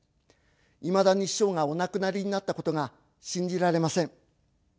いまだに師匠がお亡くなりになったことが信じられません。